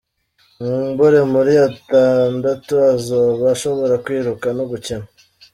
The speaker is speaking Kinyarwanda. Nkumbure muri atandatu azoba ashobora kwiruka no gukina.